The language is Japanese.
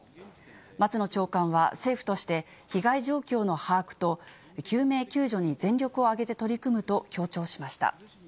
松野長官は、政府として、被害状況の把握と、救命救助に全力を挙げて取り組むと強調しました。